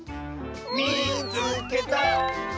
「みいつけた！」。